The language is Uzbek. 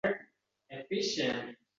Ular uch yildan ortiq ahdlashib yurishdi